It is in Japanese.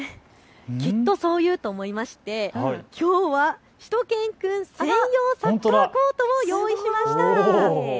きっと、そう言うと思いましてきょうはしゅと犬くん専用、サッカーコートを用意しました。